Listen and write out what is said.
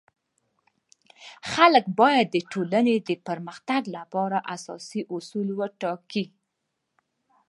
خلک باید د ټولنی د پرمختګ لپاره اساسي اصول وټاکي.